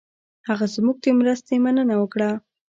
هغه زموږ د مرستې مننه وکړه.